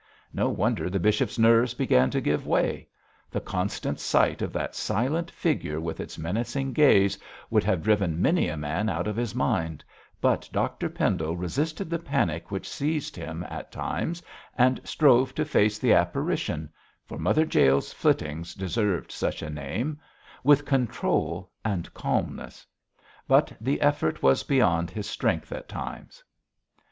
No wonder the bishop's nerves began to give way; the constant sight of that silent figure with its menacing gaze would have driven many a man out of his mind, but Dr Pendle resisted the panic which seized him at times, and strove to face the apparition for Mother Jael's flittings deserved such a name with control and calmness. But the effort was beyond his strength at times.